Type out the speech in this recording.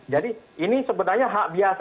jadi ini sebenarnya hak biasa